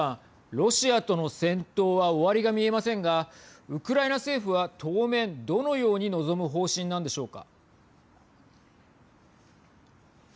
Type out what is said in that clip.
ロシアとの戦闘は終わりが見えませんがウクライナ政府は当面どのように臨む方針なんでしょうか。